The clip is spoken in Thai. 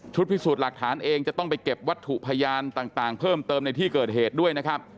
พิสูจน์หลักฐานเองจะต้องไปเก็บวัตถุพยานต่างเพิ่มเติมในที่เกิดเหตุด้วยนะครับ